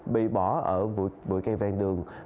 bị bỏ ở bụi cây vang đường